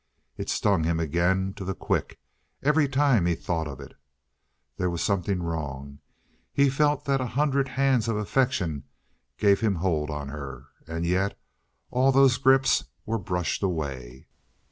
It stung him again to the quick every time he thought of it. There was something wrong. He felt that a hundred hands of affection gave him hold on her. And yet all those grips were brushed away.